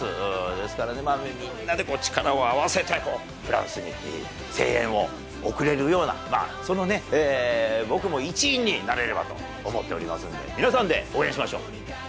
ですから、みんなで力を合わせて、フランスに声援を送れるような、まあ、そのね、僕も一員になれればと思っておりますんで、皆さんで応援しましょう。